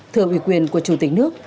thưa ủy quyền của chủ tịch nước